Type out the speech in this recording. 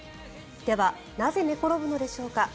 では、なぜ寝転ぶのでしょうか。